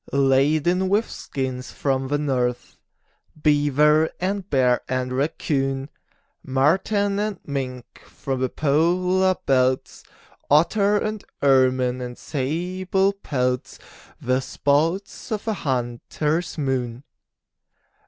Laden with skins from the north, Beaver and bear and raccoon, Marten and mink from the polar belts, Otter and ermine and sable pelts The spoils of the hunter's moon.